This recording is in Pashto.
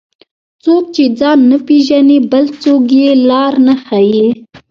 څوک چې ځان نه پیژني، بل څوک یې لار نه ښيي.